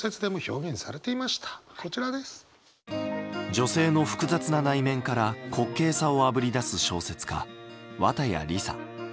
女性の複雑な内面から滑稽さをあぶり出す小説家綿矢りさ。